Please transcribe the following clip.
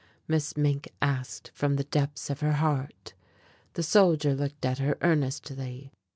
Miss Mink asked from the depths of her heart. The soldier looked at her earnestly.